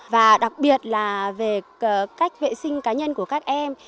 và đặc biệt là về cách vệ sinh cá nhân của các em